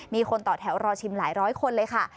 มีคนต่อแถวรอชิมหลายร้อยคนเลยค่ะ